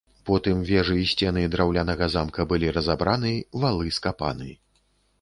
Потым вежы і сцены драўлянага замка былі разабраны, валы скапаны.